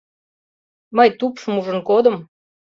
Мый тупшым ужын кодым.